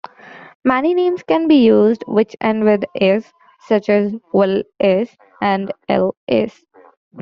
Many names can be used which end with "is", such as "will.is" and "ell.is".